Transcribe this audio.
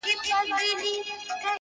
بیا به دی او خپله توره طویله سوه!!